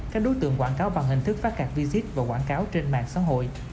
các đối tượng quảng cáo bằng hình thức phát cạc visit và quảng cáo trên mạng xã hội